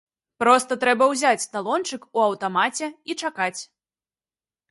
Проста трэба ўзяць талончык у аўтамаце і чакаць.